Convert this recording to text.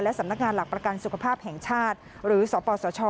สำนักงานหลักประกันสุขภาพแห่งชาติหรือสปสช